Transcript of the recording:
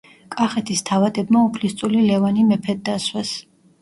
კახეთის თავადებმა უფლისწული ლევანი მეფედ დასვეს.